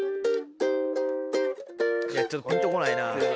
ちょっとピンと来ないな。